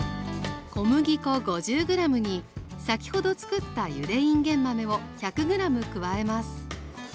小麦粉５０ｇに先ほどつくったゆでいんげん豆を１００ｇ加えます。